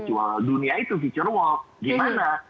kita harus tahu kita harus tahu bikin feature walk gimana